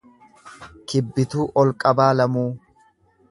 Kibbituu Olqabaa Lamuu